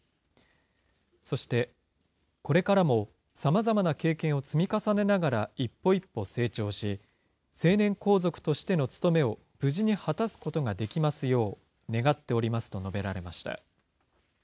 そして、これからもさまざまな経験を積み重ねながら一歩一歩成長し、成年皇族としての務めを無事に果たすことができますよう願っておりますと述べられました。